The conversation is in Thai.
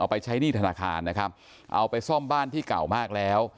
ไปใช้หนี้ธนาคารนะครับเอาไปซ่อมบ้านที่เก่ามากแล้ว